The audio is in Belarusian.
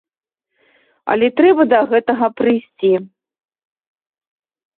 Але трэба да гэтага прыйсці.